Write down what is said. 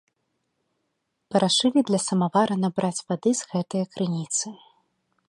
Парашылі для самавара набраць вады з гэтае крыніцы.